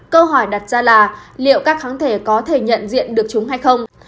câu hỏi đặt ra là liệu các kháng thể có thể nhận diện được chúng hay không